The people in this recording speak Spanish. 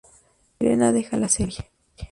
Y Sirena deja la serie.